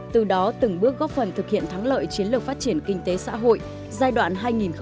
từ đó từng bước góp phần thực hiện thắng lợi chiến lược phát triển kinh tế xã hội giai đoạn hai nghìn hai mươi một hai nghìn ba mươi